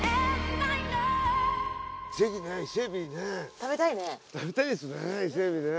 食べたいですね。